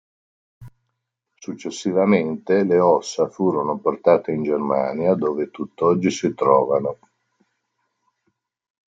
Successivamente le ossa furono portate in Germania, dove tutt'oggi si trovano.